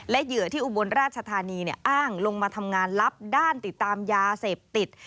เหยื่อที่อุบลราชธานีอ้างลงมาทำงานลับด้านติดตามยาเสพติด